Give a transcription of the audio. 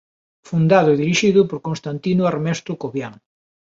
Fundado e dirixido por Constantino Armesto Cobián.